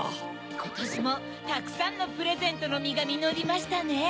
ことしもたくさんのプレゼントのみがみのりましたね。